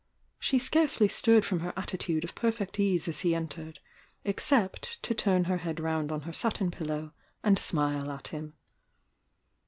she scarcely stirred from her at titude of perfect ease as he entered, except to turn her head round on her satin pillow and smile at him.